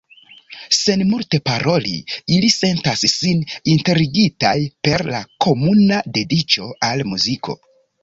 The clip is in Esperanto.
Sen multe paroli, ili sentas sin interligitaj per la komuna dediĉo al muziko.